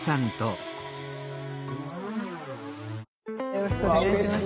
よろしくお願いします。